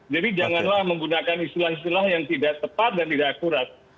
jadi janganlah menggunakan istilah istilah yang tidak tepat dan tidak akurat